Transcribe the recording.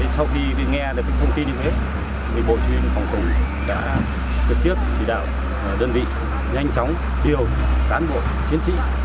sau khi nghe thông tin bộ chủ yếu phòng thống đã trực tiếp chỉ đạo đơn vị nhanh chóng tiêu cán bộ chiến sĩ